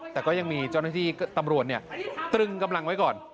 แต่ก็ยังมีเจ้าหน้าที่ตำรวจตรึงกำลังไว้ก่อน